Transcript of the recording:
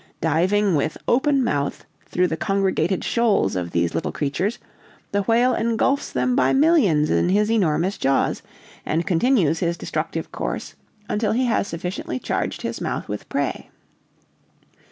Driving with open mouth through the congregated shoals of these little creatures, the whale engulfs them by millions in his enormous jaws, and continues his destructive course until he has sufficiently charged his mouth with prey.